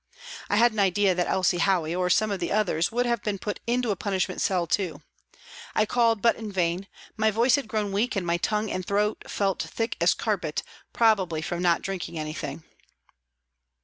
I had an idea that Elsie Howey or some of the others would have been put into a punishment cell too. I called, but in vain, my voice had grown weak and my tongue and throat felt thick as a carpet, probably from not drinking anything.